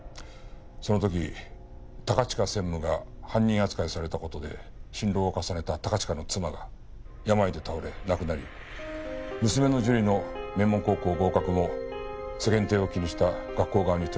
その時高近専務が犯人扱いされた事で心労を重ねた高近の妻が病で倒れ亡くなり娘の樹里の名門高校合格も世間体を気にした学校側に取り消されてしまった。